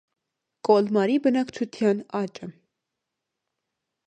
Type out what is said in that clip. Կոլմարի բնակչության աճը։